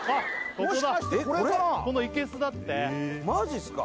ここだこのいけすだってマジっすか？